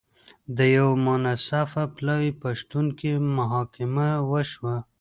د یوه منصفه پلاوي په شتون کې محاکمه وشوه.